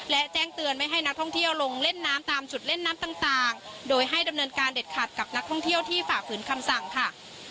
และแจ้งเตือนไม่ให้นักท่องเที่ยวลงเล่นน้ำตามจุดเล่นน้ำต่างโดยให้ดำเนินการเด็ดขาดกับนักท่องเที่ยวที่ฝ่าฝืนคำสั่งค่ะ